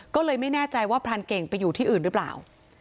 ก็เลยไม่แน่ใจว่าพรานเก่งไปอยู่ที่อื่นหรือเปล่า